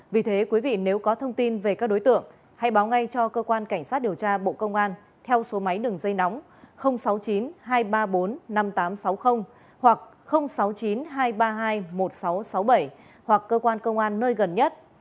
vì thế quý vị nếu có thông tin về các đối tượng hãy báo ngay cho cơ quan cảnh sát điều tra bộ công an theo số máy đường dây nóng sáu mươi chín hai trăm ba mươi bốn năm nghìn tám trăm sáu mươi hoặc sáu mươi chín hai trăm ba mươi hai một nghìn sáu trăm sáu mươi bảy hoặc cơ quan công an nơi gần nhất